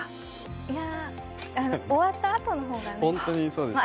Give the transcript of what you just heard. いや、終わったあとのほうが。